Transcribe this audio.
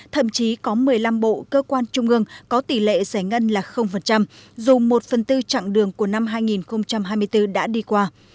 thậm chí có một mươi năm bộ cơ quan trung ương có tỷ lệ giải ngân là dù một phần tư chặng đường của năm hai nghìn hai mươi bốn đã đi qua